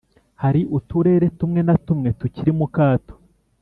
Hari uturere tumwe na tumwe tukiri mu kato